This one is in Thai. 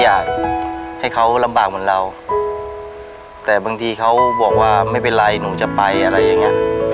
อยากให้เขาลำบากเหมือนเราแต่บางทีเขาบอกว่าไม่เป็นไรหนูจะไปอะไรอย่างเงี้ย